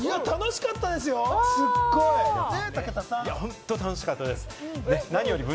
楽しかったですよ、すごい！ね？